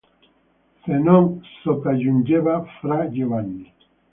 Se non sopraggiungeva frà Giovanni.